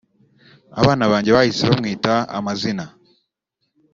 Abana banjye bahise bamwita amazina